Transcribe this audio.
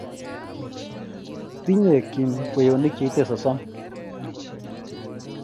tinyei Kim kweyonik cheite sosom